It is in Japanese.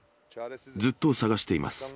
ずっと捜しています。